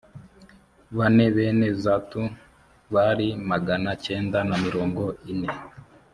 bane bene zatu m bari magana cyenda na mirongo ine